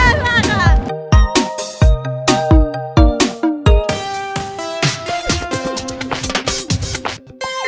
กรุงเทพค่ะ